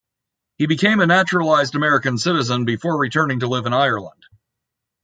He became a naturalised American citizen before returning to live in Ireland.